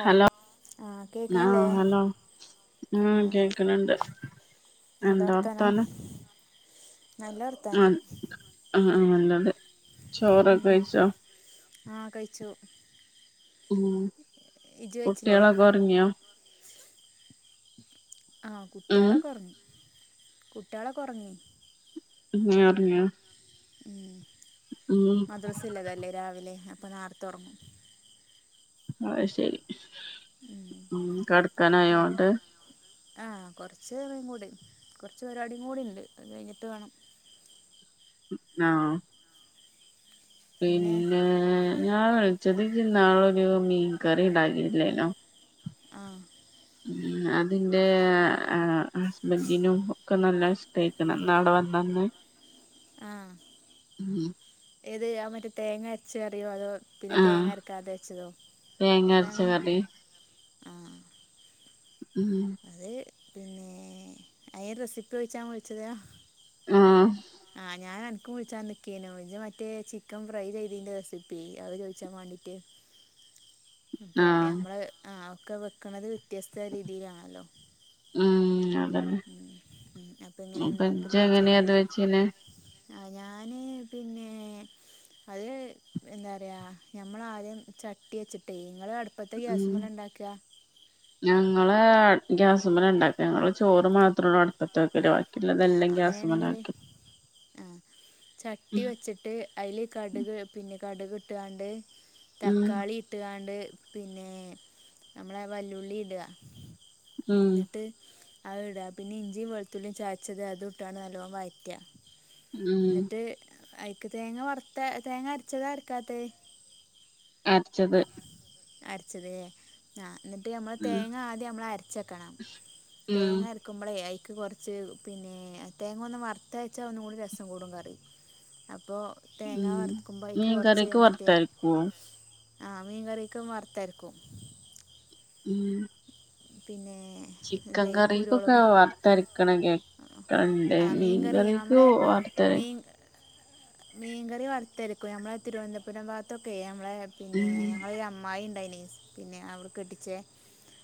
Hello ആഹ് ആ കേക്കണില്ലേ ഹലോ ഉം ആഹ് കേക്കണണ്ട് എന്തൊ വർത്താനം നല്ല ആ വർത്താനം ആ നല്ലതെ ഉം ആ കഴിച്ചു ഉ ഇജ് കഴിച്ചില്ലേ കുട്ടികളക്കെ ഒറങ്ങിയോ ആ ഉം കുട്ടികളൊക്കെ ഒറങ്ങി കുട്ടികളെക്കെ ഒറങ്ങി ഏ ഹ് ഒറങ്ങിയോ ഉം ഉം മദ്രസല്ലാതല്ലേ രാവിലെ അപ്പം നേരത്ത ഉറങ്ങും ആ ശരി ഉം ഉ കടക്കാനായോണ്ട് ആ കൊറച്ച് കൂടി കുറച്ച് പരിപാടിയും കൂടി ഉണ്ട് അത് കഴിഞ്ഞിട്ട് വേണം ആ പിന്നെ ഞാൻ വി ചതി ജിന്നാളൊരു മീൻ കറി ഉണ്ടാക്കിയില്ലേനോ ആ ഉ അതിന്റെ ഹസ്ബൻഡിനും ഒക്കെ നല്ല ഇഷ്ടയ്ക്ക്ണ് അന്ന് അവിടെ വന്നന്ന് ആ ഉം ഏത് ആ മറ്റേ തേങ്ങ അച്ച കറിയോ അതോ പിന്നെ ആഹ് തേങ്ങ അരക്കാതെ വെച്ചതോ തേങ്ങ അരച്ച ഏതാണ് കറി ആ ഉം പിന്നെ അയിന് റെസിപ്പി ചോയ്ച്ചാൻ വിളിച്ചതാ ആ ൻക്ക് വിളിച്ചാ നിക്കേനു മറ്റേ ചിക്കൻ ഫ്രൈ ചെയ്തേന്റെ റെസിപ്പി അത് ചോയിച്ചാൻ വേണ്ടീട്ട് അപ്പൊ ആഹ് ഞമ്മള് ആ ഒക്കെ വെക്കണുന്നത് വ്യത്യസ്ത രീതിയിലാണല്ലോ? ഉം.... അപ്പോൾ എങ്ങനെ അപ്പൊ ഉണ്ടാക്കൽ ജ്ജ്ങ്ങനെ ചോദിച്ചാലോ അത് വെച്ചി നെ ആ ഞാൻ പിന്നെ അത് എന്താ പറയയാ ഞമ്മൾ ആദ്യം ചട്ടി വെച്ചിട്ടേ നിങ്ങൾ അടു- ഉം ഞങ്ങളെ.. ഗ്യാസും മലണ്ടാക്ക ഞങ്ങള് ചോറ് മാത്രള്ളൂ അട്പ്പത്ത്. ആ അങ്ങനൊണെങ്കിൽ ആ ചട്ടി വെച്ചിട്ട് അതിൽ കടക് കടക് ട്ടാണ്ട് ഉം തക്കാളി ഇട്ട്കാണ്ട് പിന്നെ നമ്മളെ വല്ലുള്ളി ഇട. ഉം ന്ന്ട്ട് അത് ഇടാ പിന്നെ ഇഞ്ചിം വെളുതുള്ളി ച വച്ചത് അത് ഇട്ടാണ്ട് നല്ലോണം വയറ്റ. ഉം ന്നട്ട് ഐക്ക് തേങ്ങ വറത്ത തേങ്ങ അരച്ചതാ അരക്കാത്തേ ച്ചത് അരച്ചലേ ആ ന്നിട്ട് മ്മൾ ഉം തേങ്ങ ആദ്യം മ്മൾ അരച്ചക്കണം ഉം തേങ്ങ അരക്കുമ്പ ളേ അ ക്ക് കുറച്ച് പിന്നെ തേങ്ങ ഒന്ന് വറുത്ത അരച്ചാ ഒന്നും കൂടി രസം കൂടും കറി അപ്പോ മ് മീൻ കറിക്ക് മറ്റേ വറുത്തരക്കോ? ആ മീൻ കറി ക്ക് വർത്തര്ക്കും. മ് പിന്നെ ചിക്കൻ ഇത് കറി ഒക്കെ കുരുമുളകും വർത്തരിക്കണം കേക്കണണ്ടേനി മീൻ കറിക്ക് വാർത്തര മീൻകറി വറത്തെരിക്കും നമ്മളെ തിരുവനന്തപുരം ഭാഗത്തൊക്കെ [unintelligible] പിന്നെ ഉം ഞങ്ങള ഒരു അമ്മായി ണ്ടേനി പിന്നെ അവിടെ കെട്ടിച്ച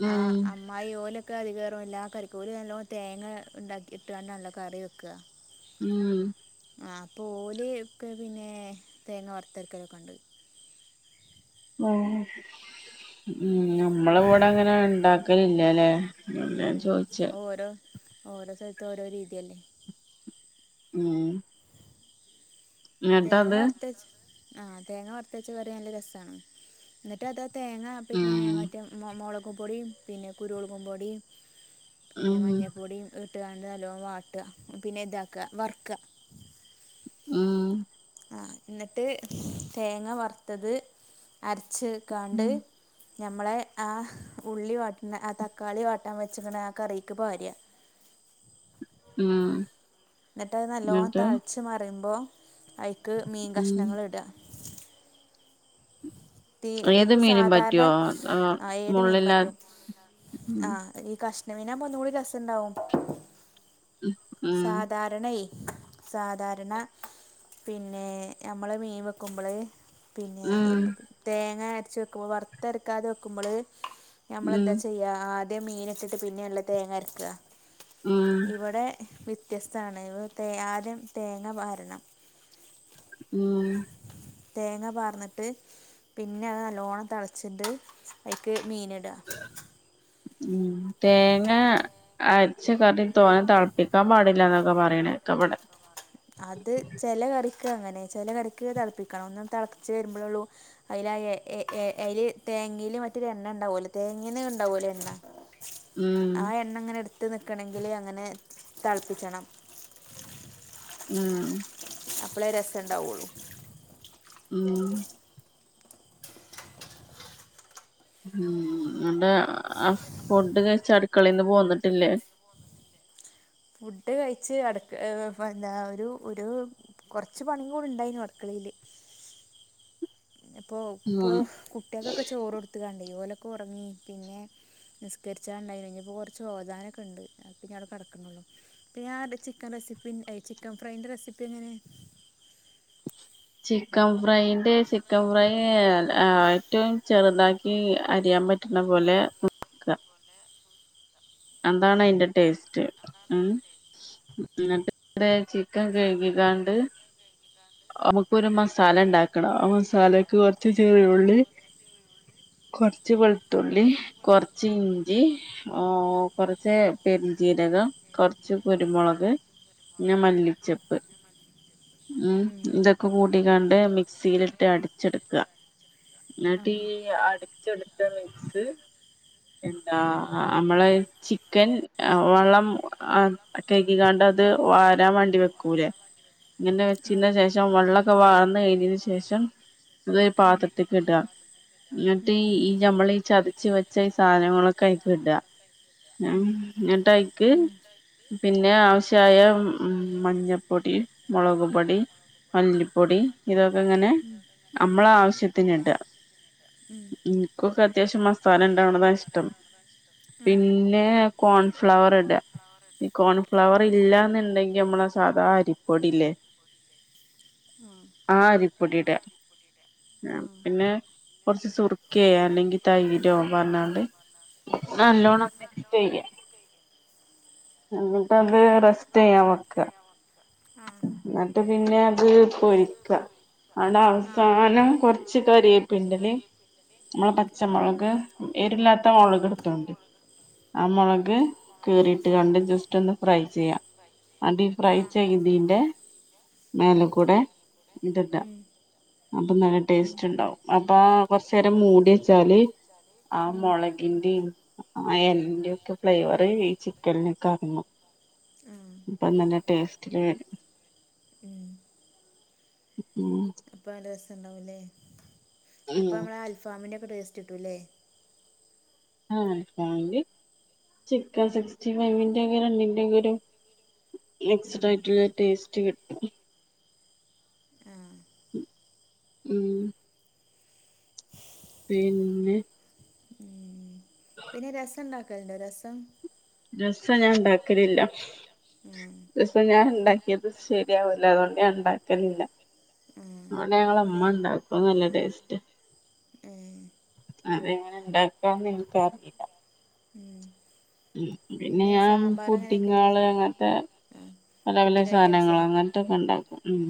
മ് അധികേറവുംല്ല ആ കറിക്കൂലി നല്ലോ തേങ്ങ ഉണ്ടാക്കി ഇട്ടുക നല്ല കറി വെക്കുക ഉം ആ അപ്പ ഓൽ ഒക്കെ പിന്നെ തേങ്ങ വർത്ത് അരക്കലൊക്കെ ഇണ്ട് ങേ ഉം ഞമ്മൾ ഇവടെ ഇങ്ങനെ ഇണ്ടാക്കൽ ഇ ടാലെ ഉം അത് ഓരോ ഓരോ സ്ഥൽത്ത് ഓരോ രീതി അല്ലേ ഉം എന്നിട്ടത് തേങ്ങാ വറത്തച്ച ആഹ് തേങ്ങ വറത്ത വച്ച കറി നല്ല രസമാണ് എന്നിട്ട് അത് തേങ്ങ പിന്നെ ഉം മറ്റേ മൊളക് ഉപ്പുപ്പൊടി പിന്നെ കുരുമുളകുപൊടി പിന്നെ ഉം മഞ്ഞപ്പൊടിം ട്ട് കാണ്ട് നല്ലോം വാട്ടാ പിന്നെ ഇതാക്ക വർക്ക ഉം ആ എന്നിട്ട് തേങ്ങ വറുത്തത് അര ച്ച് കാണ്ട് ഞമ്മളെ ആ ഉള്ളി വാട്ട്ണെ ആ തക്കാളി വാട്ടാൻ വെച്ച്ക്ക്ണെ ആ കറിക്ക് പാര്യ ഉം ഇന്നട്ട് അയ് നല്ലോണം എന്നിട്ട് തൾച്ച് മറിമ്പോ ഐക്ക് മീൻ ഉം കഷ്ണങ്ങൾ ഇടുക തീ ഏത് ഇത്പ്പ മീനും സാധാരണ പറ്റുവോ ആഹ് ആ ഏത് മീനും മുള്ളില്ലാ പറ്റും ഉം ആ ഈ കഷ് മീനാവുമ്പോ ഒന്നു കൂടി രസണ്ടാവും ഉം സാധാരണ സാധാരണ പിന്നെ നമ്മള് മീൻ വെക്കുമ്പോള് പിന്നെ ഉം തേങ്ങ ട്ച്ച് വെക്ക്മ്പോ വർത്ത് അരക്കാതെ വെക്കുമ്പൾ ഉം ഞമ്മളെന്താ ചെയ്യാ ആ മീൻ ഇട്ട് പിന്നെല്ല തങ്ങ അരക്കുക ഉം ഇവിടെ വ്യത്യസ്തമാണ് ഇവ തേ ആദ്യം തേങ്ങ പാരണം ഉം തേങ്ങ പാർന്നിട്ട് പിന്നെ അത് നല്ലോണം തിളച്ചിണ്ട് അയ്ക്ക് മീന്ടാ ഉ തേങ്ങ അരച്ച കറി തോനെ തളപ്പിക്കാൻ പാടില്ലന്നൊക്കെ പറഞ അത് ചില കറി അങ്ങനെ ചില കറിക്ക് തളപ്പിക്കണം ഒന്നും തിളപ്പിച്ച് വരുമ്പോഴള്ളൂ അതിൽഏ എ എ എഅയില് തേങ്ങയില് മറ്റൊരു എണ്ണ ഉണ്ടാവലോ തേങ്ങേന്ന്ണ്ടാവല്ലോ എണ്ണ ഉം ആഹ എണ്ണ അങ്ങനെ എടുത്ത ഇട്ട് നിൽക്കണമെങ്കിൽ അങ്ങനെ തിളപ്പിക്കണം ഉം അപ്പോളേ രസണ്ടാവുള്ളു ഉം ഉം.. നട്ട് ഫുഡ് കഴിച്ച അടുക്കളയിന്ന് പോന്നിട്ടില്ലേ ഫുഡ് കഴിച്ച് അടക്ക് ഈ എന്താ ഒരു ഒരു കുറച്ച് പണി കൂടി ഉണ്ടായിരുന്നു അടക്കളയില് ഇപ്പോ ഇപ്പോ ഉം കുട്ടിയാക്കൊക്കെ ചോറ് കൊടുത്ത്ക്കാണ്ടേയ് ഓല ഉറങ്ങി പിന്നെ നിസ്കരിച്ചാ ഇണ്ടായിനി ഇഞ്ഞഹ് ഇപ്പം കുറച്ചു ഓതാനോക്കെ ഇണ്ട് പിന്നെഞ അവിടെ കിടക്കള്ളു പിന്നെ ആ ചിക്കൻ റെസിപ്പി ചിക്കൻ ഫ്രൈൻ്റെ റെസിപ്പി എങ്ങനെ ചിക്കൻ ഫ്രൈ്റെ ചിക്കൻ ഫ്രൈ ആ ഏറ്റവും ചെറുതാക്കി എ അറിയാൻ പറ്റുന്ന പോലെ നുർക്ക അതാണ് അതിന്റെ ടേസ്റ്റ് ഉ എന്നിട്ട് ചിക്കൻ കഴുകിക്കാണ്ട് നമുക്ക്ൊ ഒരു മസാല ഉണ്ടാക്കണം ആ മസാലക്ക് കൊറച്ച് ചെറിയ ഉുള്ളി കുറച്ച് വെളുത്തുള്ളി കുറച്ച് ഇഞ്ചി കുറച്ച് പെരിചീരകം കുറച്ച് കുരുമുളക് പിന്നെ മല്ലിച്ചപ്പ് ഉംതക്ക പൂ കണ്ട്ക്കാണ്ട് മിക്സിയിലിട്ട് അടിച്ചെടുക്കുക ആ എന്നിട്ട് അടിച്ചെടുത്ത മിക്സ് എന്താ അമ്മളെ ചിക്കൻ വള്ളം ആ കക്കിക്കാണ്ട് അത് വാരൻ വണ്ടി വെക്കൂലേ ഇങ്ങനെ ആ വെച്ചിന്ന ശേഷം വെള്ളം ക്കെ വർന്നു കഴിഞ്ഞന് ശേഷം ഇത് പാത്രത്തിേക്ക് ഇടാം എന്നിട്ട് ഈ നമ്മൾീഈ ചതച്ച വെച്ച ഈ സാധനങ്ങളൊക്കെ അയ്ക്ക് ഇട ആ എന്നിട്ടൈക്ക് യിട്ട് പിന്നെ ആവശ്യമായ ഉ മഞ്ഞപ്പൊടി മളക് പൊടി മല്ലി പൊടി ഇതോ എങ്ങനെ നമ്മള ആവിശ്യ വിശത്തിനിട ഇൻകൊക്കെ അത്യാവശ്യം മസാല ണ്ടാവണതാ ഇഷ്ടം ഇടാ ആ പിന്നെ കോൺഫ്ലവർ ഇട ഈ കോൺഫ്ലവർ ഇല്ലന്ന്ണ്ടെങ്കി നമ്മള സാധാ അരിപ്പൊടില്ലേ ആ അരിപ്പൊടി ഇട പിന്നെ കുറച്ച് സുറുക്കയ അല്ലെങ്കി തൈരോ പാർന്നാണ്ട് നല്ലൺ പ്പയ അത് റസ്റ്റ് ചെയ്യാൻ വക്ക ആ പിന്നെ അത് പൊരിക്ക ആണ്ട് നമ്മളെ സാധാ അരിപ്പൊടിയില്ലേ ആഹ് ആഹ് അവസാനം കുറച്ച് കരിയെപിൻ്റലിം നമ്മള പച്ചമുളക് എരുല്ലാത്ത മുളക് ഇടുത്തൊണ്ടി ആ മുളക് കീറിയിട്ട്കാണ്ട് ജസ്റ്റ് ഒന്ന് ഫ്രൈ ചെയ്യാ ആണ്ടി ഫ്രൈ ആഹ് തീന്റെ മേല കുടെ ഇത് ടാ ഉം അ അ ടേസ്റ്റ് ഉണ്ടാവും പ്പാ കൊറച്ചേരം മൂടിയേച്ചാല് ആ ഉം മുളകിൻ്റിം ആ എലന്റോക്കെ ഫ്ലേവറ് ഈ ചിക്കൻലൊക്കെ എർങ്ങും ആഹ് അപ്പൊ നല്ല ടേസ്റ്റ് ഉം ഉം ഊം അപ്പൊ നല്ല രസ ഉണ്ടാവു ലേ അപ്പൊ ഉം നമ്മള ആ അൽഫാമിന്റെ ഒക്കെ ടേസ് രുല്ലേ ആഹ് [unintelligible] ചിക്കൻ സിക്സ്റ്റി ഫൈവ്ന്റെ ക്കെ രണ്ടിന്റെക്കൊരു ഉം മിക്സ്ഡായിട്ടുള്ള ഒരു ടേസ്റ്റ് കിട്ടും ആഹ് ഉം പിന്നെ ഉം പിന്നെ രസം ഉണ്ടാക്കലുണ്ടോ രസം രസം ഞാൻ ഉണ്ടാക്കലില്ല ആഹ് രസ ഞാൻ ഉണ്ടാക്കിയത് ശരിയാവൂല്ലാ അതോണ്ട് ഞാൻ ഉണ്ടാക്കലില്ല ആഹ് [unintelligible] അമ്മ പിന്നെ ഉണ്ടാക്കും നല്ല ടേസ്റ്റ് ഏഹ് അതെങ്ങനെ ഉണ്ടാക്കാന്ന് ഇൻക്ക് അറീല്ല ഉം ഉം പിന്നെ ഞാൻ സാമ്പാർ അങ്ങനെയൊക്കെല്ലേ പുഡ്ഡിംങ്ങാള് അങ്ങനത്തെ ആ പല പല പുഡിങ് ഐറ്റംസ് സാനങ്ങളാ അങ്ങനത്തൊക്കെ ഉണ്ടാക്കും ഉം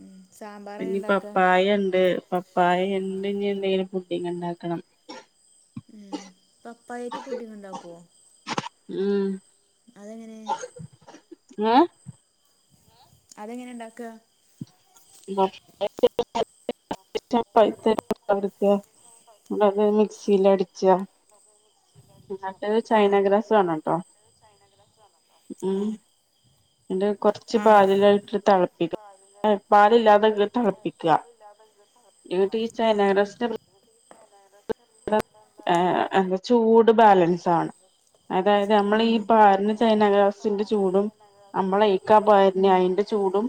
ഉം സാമ്പാർ എങ്ങനെ പിന്നപ്പ ഉണ്ടാക്കുക പപ്പായ ഇണ്ട് പ പായ ഇണ്ട് ഇന്ത് എന്തെങ്കിലും പുഡിങ് ഉണ്ടാക്കണം ഉം പപ്പായായിട്ട് പുഡിങ്ങ് ഇണ്ടാക്കോ ഉം അതെങ്ങനെ ഏ അതെങ്ങനെ ഇണ്ടാക്കാ [unintelligible] എടുക്ക ഇന്നട്ടത് മിക്സില് അടിച്ച ഇന്നട്ട് ആ ചൈന ഗ്രാസ് വാണട്ടോ എ ആ ഇങ്ങട്ടത് കൊർച്ച് ആ പാലിലത് ഇട്ട് തിളപ്പിക്ക എന്നിട്ട് ആഹ് [unintelligible] എ എന്ത ചൂ നമ്മൾ ഈ പാര്ണ ഹും ചൈനാഗ്രാസിന്റെ ചൂടും നമ്മളെ ഇക്കാ പാര്ണെ അയിന്റെ ചൂടും ഹും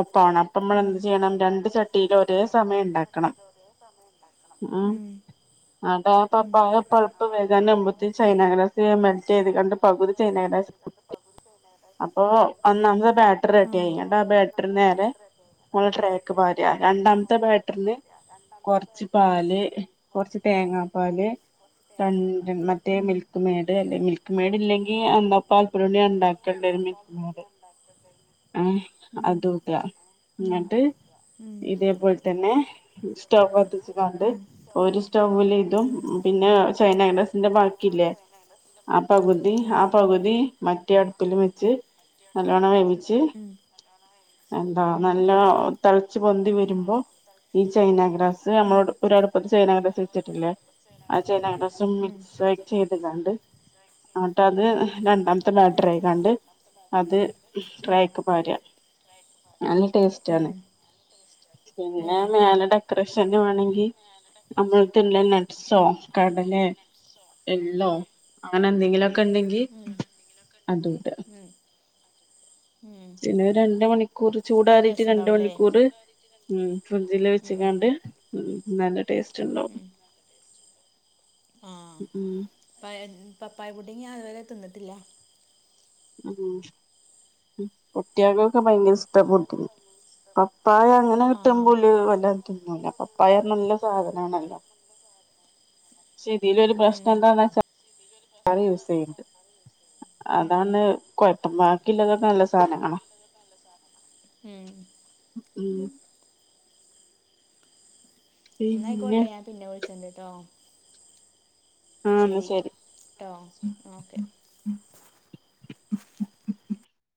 ഒപ്പാവണം അപ്പൊ നമ്മൾ എന്ത് ചെയ്യണം രണ്ട് ചട്ടിയിൽ ഒരേ സമയം ഉണ്ടാക്കണം ഉം [unintelligible] ഹും [unintelligible] ചൈനാഗ്രാസ് മെൽറ്റ്‌ ചെയ്ത്ങ്ങാണ്ട് പകുതി ചൈനാഗ്രാസ് [unintelligible] അപ്പോ ഒന്നാമത്തെ ബാറ്ററ് ആ റെഡി ആയി. എന്നിട്ട് ആ ബാറ്ററ് നേരെ [unintelligible] ട്രേക്ക് പാര. രണ്ടാമത്തെ ബാറ്ററിന് കൊറച്ച് പാല് കൊറച്ച് തേങ്ങാ പാല് രണ്ട് മറ്റേ ഉം മിൽക്ക് മെയ്ഡ് മിൽക്ക് മെയ്ഡ് ഇല്ലെങ്കി എന്താപ്പോ പാൽ പൊടികൊണ്ട് ഞാന് ഉണ്ടാക്കും മിൽമയുടെ ഉം അതും ഇട. ഉം എന്നിട്ട് ഉം ഇതേപോലെ തന്നെ സ്റ്റവ് കത്തിച്ച്ങ്ങാണ്ട് ഉം ഒരു സ്റ്റൗവില് ഇതും ഉം പിന്നെ ചൈന നാഗ്രാസിന്റെ ബാക്കില്ലേ ആ പകുതി ഉം ആ പകുതി മറ്റേഡെത്ത് വെച്ച് നല്ലോണം വേവിച്ച് ഉം എന്താ ഉം നല്ലോം തിളച്ച് പൊന്തി വരുമ്പോ ഈ ചൈന ഗ്രാസ് ഉം നമ്മള് ഒരടുപ്പത്ത് ചൈന ഗ്രസ് വെച്ചിട്ടില്ലേ ആ ചൈന ഗ്രാസും ഉം ഉം മിക്സ് ചെയ്ത്ങ്ങാണ്ട് എന്നിട്ടത് രണ്ടാമത്തെ ബാറ്റ് ഇക്കിക്കാണ്ട് അത് ട്രേയ്ക്ക് പാര നല്ല ടേസ്റ്റ് ആണ് ഉം ഏ പിന്നെ മേലെ ഡെക്കറേഷൻ ഡെക്കറേഷന് വേണംങ്കി നമ്മളടുത്തുള്ള നട്സോ ഉം കടലയോ എള്ളോ അങ്ങനെ എന്തെങ്കിലും ഒക്കെ ക്കണ്ടെങ്കി ഉം അതും ഇട ഉം ഉം പിന്നെ ഒരു രണ്ട് മണിക്കുറ് കൂറി നല്ല ചൂടാറീട്ട് ടേസ്റ്റ് രണ്ട് ഉണ്ടാവുമല്ലേ മണിക്കൂർ ഉം ഫ്രിഡ്ജില് വെച്ച്ങ്ങാണ്ട് ഉംനല്ല ടേസ്റ്റ് ഉണ്ടാവും ആ ഉം പപ്പായ ഇത് ഞാനിതുവരെ തിന്നിട്ടില്ല ഉം കുട്ടിയോൾക്കൊക്കെ ഭയങ്കര [unintelligible] പപ്പായ അങ്ങനെ ആ കിട്ടുമ്പോ ഓല് വല്ലാതെ തിന്നൂല വയറിന് നല്ല സാധനണല്ലോ പക്ഷെ ഇതിലൊരു പ്രശ്നം ഉം, എന്താന്ന് വെച്ചാൽ പറി യൂസ് ചെയ്യണണ്ട് ഉം, അതാണ് കുഴപ്പം. ബാക്കിള്ളതൊക്കെ നല്ല സാധനങ്ങള ഉം. ഉം പിന്നെ എന്നായിക്കോട്ടെ ഞാൻ പിന്നെ വിളി വിളിക്കണ്ടാ ട്ടോ ആഹ് ന്നാ ശരി ട്ടോ ഓക്കെ